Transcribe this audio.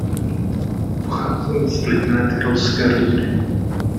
Pocházel z vlivné tyrolské rodiny.